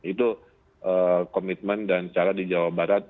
itu komitmen dan cara di jawa barat